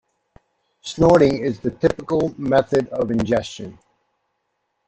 Snorting is the typical method of ingestion.